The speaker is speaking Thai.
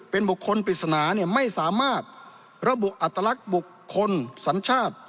เป็นบุคคลปริศนาเนี่ยไม่สามารถระบุอัตลักษณ์บุคคลสัญชาติ